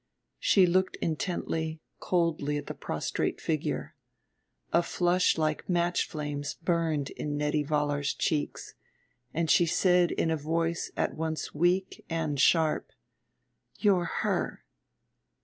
She looked intently, coldly, at the prostrate figure. A flush like match flames burned in Nettie Vollar's cheeks, and she said in a voice at once weak and sharp: "You're her!"